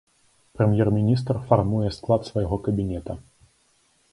Прэм'ер-міністр фармуе склад свайго кабінета.